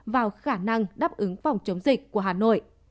vào khả năng đáp ứng phòng chống dịch của hà nội